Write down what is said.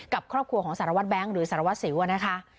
กับครอบครัวของสารวัตรแบงค์หรือสารวัสสิวนะคะ